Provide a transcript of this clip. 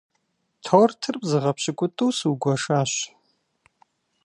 Тортыр бзыгъэ пщыкӏутӏу сыугуэшащ.